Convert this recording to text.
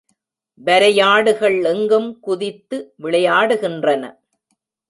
வரையாடுகள் எங்கும் குதித்து விளையாடுகின்றன.